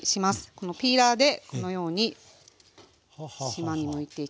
このピーラーでこのようにしまにむいていきます。